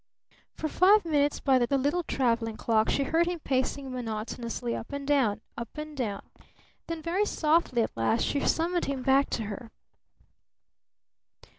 For five minutes by the little traveling clock, she heard him pacing monotonously up and down up and down. Then very softly at last she summoned him back to her.